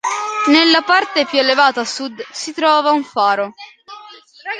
Nella parte più elevata, a sud, si trova un faro.